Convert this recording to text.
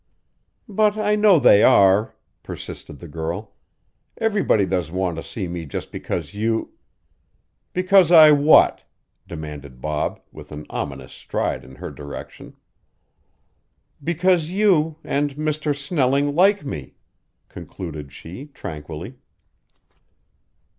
"But I know they are," persisted the girl. "Everybody doesn't want to see me just because you " "Because I what?" demanded Bob, with an ominous stride in her direction. "Because you and Mr. Snelling like me," concluded she tranquilly.